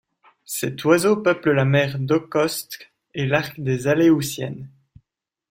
Cet oiseau peuple la mer d'Okhotsk et l'arc des Aléoutiennes.